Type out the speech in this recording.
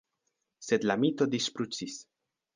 Sed la mito disŝprucis.